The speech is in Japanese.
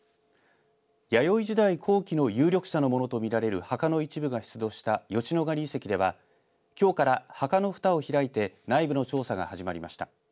弥生時代後期の有力者のものと見られる墓の一部が出土した吉野ヶ里遺跡ではきょうから墓のふたを開いて内部の調査が始まりました。